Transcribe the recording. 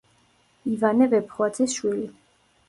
ივანე ვეფხვაძის შვილი.